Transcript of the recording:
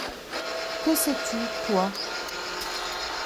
Que sais-tu, toi ?